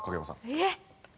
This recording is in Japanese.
えっ。